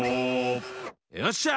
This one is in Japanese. よっしゃ！